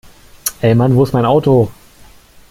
Ey Mann, wo ist mein Auto?